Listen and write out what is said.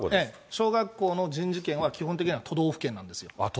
小学校の人事権は基本的には都道府県なんですよ。